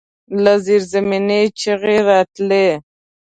له زيرزمينې چيغې راتلې.